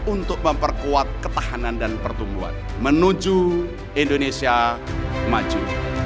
untuk memperkuat ketahanan dan pertumbuhan menuju indonesia maju